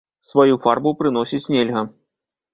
Сваю фарбу прыносіць нельга.